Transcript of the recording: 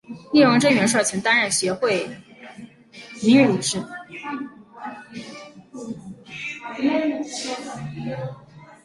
聂荣臻元帅曾担任协会名誉理事长。